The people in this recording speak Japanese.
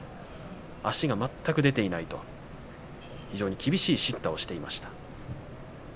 足が全く出ていないと非常に厳しいしったをしていました。